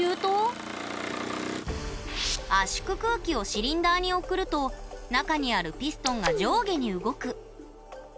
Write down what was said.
圧縮空気をシリンダーに送ると中にあるピストンが上下に動く。